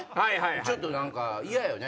ちょっと嫌よね？